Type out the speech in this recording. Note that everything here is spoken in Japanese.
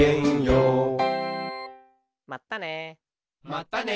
まったね。